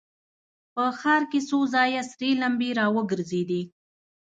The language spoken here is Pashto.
په ښار کې څو ځایه سرې لمبې را وګرځېدې.